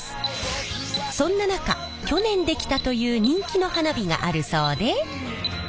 そんな中去年できたという人気の花火があるそうで。